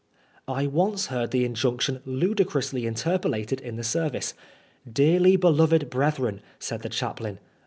I once heard the injunction ludicrously interpolated in the service. *' Dearly beloved brethren," said the chaplain.